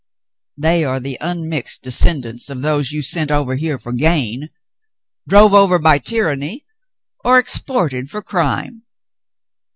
They are the unmixed descendants of those you sent over here for gain, drove over by tyranny, or exported for crime."